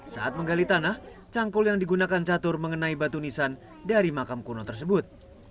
saat menggali tanah cangkul yang digunakan catur mengenai batu nisan dari makam kuno tersebut